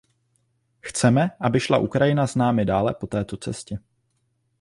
Chceme, aby šla Ukrajina s námi dále po této cestě.